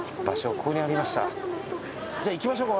ここにありました。